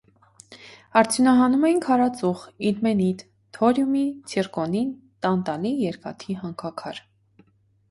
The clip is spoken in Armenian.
Արդյունահանում էին քարածուխ, իլմենիտ, թորիումի, ցիրկոնի, տանտալի, երկաթի հանքաքար։